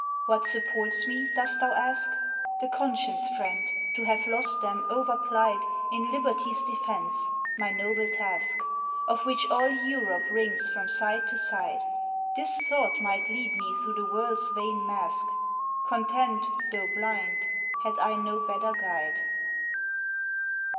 What supports me, dost thou ask? The conscience, friend, to have lost them overplied In Liberty's defence, my noble task, Of which all Europe rings from side to side. This thought might lead me through the world's vain mask, Content, though blind, had I no better guide.